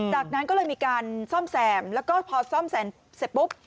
จากนั้นก็เลยมีการซ่อมแซมแล้วก็พอซ่อมแซมเสร็จปุ๊บ